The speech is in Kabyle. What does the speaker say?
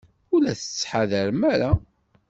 Ur la tettḥadarem ara.